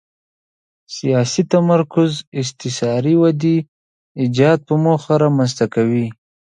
سیاسي تمرکز استثاري ودې ایجاد په موخه رامنځته کوي.